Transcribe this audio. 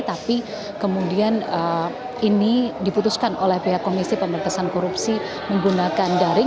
tapi kemudian ini diputuskan oleh pihak komisi pemerintahan korupsi menggunakan daring